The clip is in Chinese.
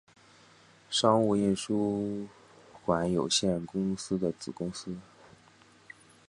商务印书馆有限公司的子公司。